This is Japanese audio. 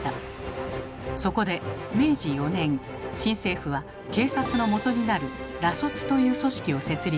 そこで明治４年新政府は警察の基になる「ら卒」という組織を設立。